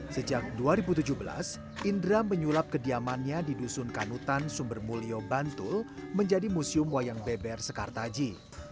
sejak dua ribu tujuh belas indra menyulap kediamannya di dusun kanutan sumbermulyo bantul menjadi museum wayang beber sekartaji